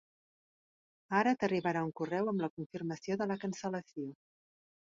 Ara t'arribarà un correu amb la confirmació de la cancel·lació.